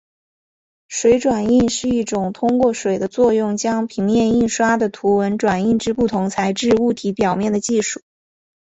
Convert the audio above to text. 水转印是一种通过水的作用将平面印刷的图文转印至不同材质物体表面的技术。